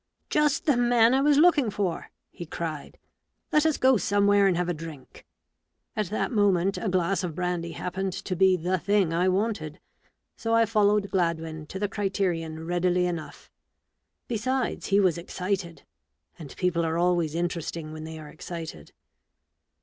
" Just the man I was looking for !" he cried. " Let us go somewhere and have a drink." At that moment a glass of brandy happened to be the thing I wanted ; so I followed Gladwin to the Criterion readily enough. Besides, he was excited : and people are always interesting when they are excited.